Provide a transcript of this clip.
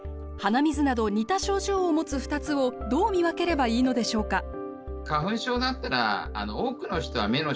鼻水など似た症状を持つ２つをどう見分ければいいのでしょうか？